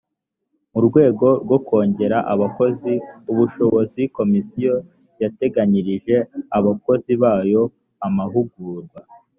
mu rwego rwo kongerera abakozi ubushobozi komisiyo yateganyirije abakozi bayo amahugurwa